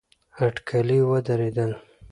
اټکلي ودرېدل.